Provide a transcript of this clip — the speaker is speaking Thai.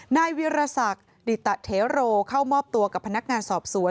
นายวิรสักดิตเทโรเข้ามอบตัวกับพนักงานสอบสวน